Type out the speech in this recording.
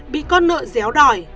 bị con nợ déo đòi